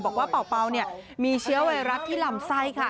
บอกว่าเป่ามีเชื้อไวรัสที่หล่ำไซค์ค่ะ